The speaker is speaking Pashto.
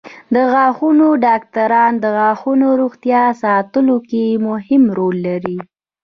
د غاښونو ډاکټران د غاښونو روغتیا ساتلو کې مهم رول لري.